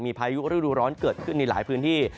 พายุฤดูร้อนเกิดขึ้นในหลายพื้นที่